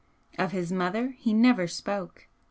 Of his mother he never spoke.